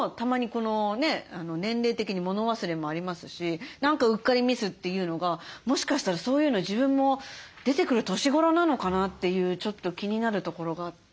このね年齢的に物忘れもありますし何かうっかりミスというのがもしかしたらそういうの自分も出てくる年頃なのかなというちょっと気になるところがあって。